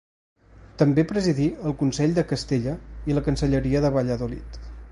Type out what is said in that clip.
També presidí el Consell de Castella i la Cancelleria de Valladolid.